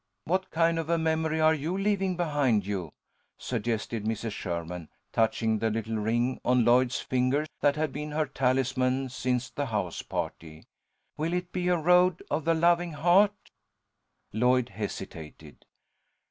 "What kind of a memory are you leaving behind you?" suggested Mrs. Sherman, touching the little ring on Lloyd's finger that had been her talisman since the house party. "Will it be a Road of the Loving Heart?" Lloyd hesitated.